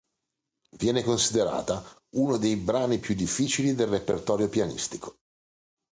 Viene considerata uno dei brani più difficili del repertorio pianistico.